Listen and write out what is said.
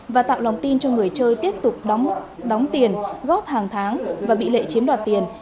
và tạo lòng tin cho người chơi tiếp tục đóng tiền góp hàng tháng và bị lệ chiếm đoạt tiền